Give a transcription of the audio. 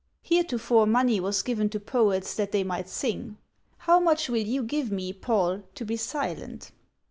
"Heretofore money was given to poets that they might sing: how much will you give me, Paul, to be silent?"